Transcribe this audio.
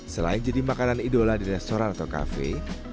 selain jadi makanan idola di restoran atau kafe